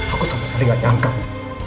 aku sama selingkuh yang kau